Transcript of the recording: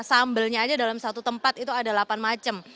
sambelnya aja dalam satu tempat itu ada delapan macam